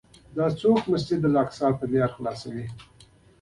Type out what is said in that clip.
دا کوڅه مسجدالاقصی ته لاره خلاصوي.